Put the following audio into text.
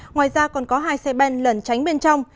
ngoài ra còn có hai xe ben lẩn tránh bên trong